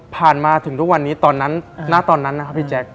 ผ่านมาถึงทุกวันนี้ณตอนนั้นนะครับพี่แจ็ค